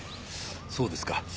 そうですか。